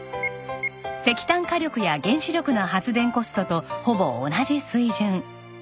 石炭火力や原子力の発電コストとほぼ同じ水準。